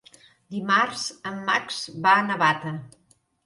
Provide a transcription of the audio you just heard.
Dimarts en Max va a Navata.